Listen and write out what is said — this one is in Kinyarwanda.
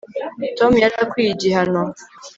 tom yari akwiye igihano